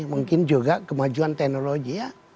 mungkin juga kemajuan teknologi ya